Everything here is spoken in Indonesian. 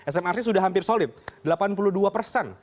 smrc sudah hampir solid delapan puluh dua persen